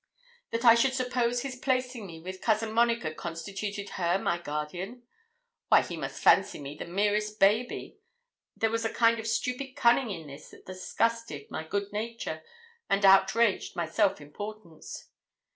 That I should suppose his placing me with Cousin Monica constituted her my guardian? Why, he must fancy me the merest baby. There was a kind of stupid cunning in this that disgusted my good nature and outraged my self importance.